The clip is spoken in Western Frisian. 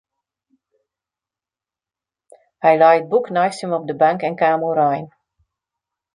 Hy lei it boek neist him op de bank en kaam oerein.